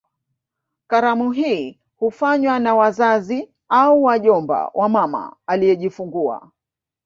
Karamu hii hufanywa na wazazi au wajomba wa mama aliyejifungua